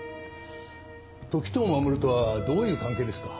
時任守とはどういう関係ですか？